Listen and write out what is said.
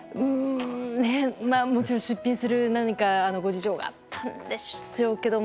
もちろん出品するご事情があったんでしょうけど